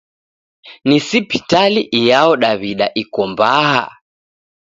Ni sipitali iyao Daw'ida iko mbaha?